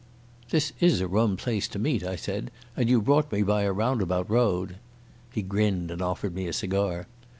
"This is a rum place to meet," I said, "and you brought me by a roundabout road." He grinned and offered me a cigar.